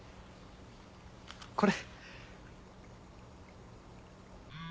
これ。